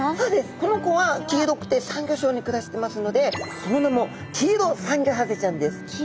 この子は黄色くてサンゴ礁に暮らしてますのでその名もキイロサンゴハゼ。